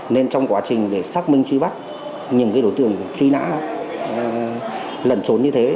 nên trong quá trình để xác minh truy bắt những đối tượng truy nã lẩn trốn như thế